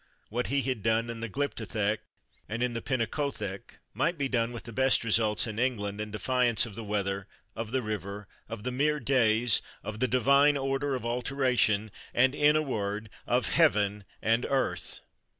What he had done in the Glyptothek and in the Pinacothek might be done with the best results in England, in defiance of the weather, of the river, of the mere days, of the divine order of alteration, and, in a word, of heaven and earth.